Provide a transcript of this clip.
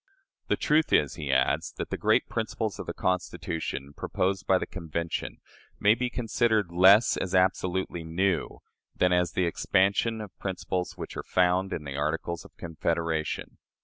"The truth is," he adds, "that the great principles of the Constitution proposed by the Convention may be considered less as absolutely new, than as the expansion of principles which are found in the Articles of Confederation."